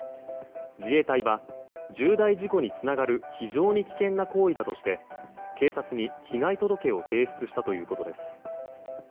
自衛隊は重大事故につながる非常に危険な行為だとして警察に被害届を提出したということです。